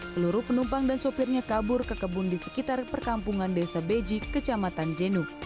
seluruh penumpang dan sopirnya kabur ke kebun di sekitar perkampungan desa beji kecamatan jenu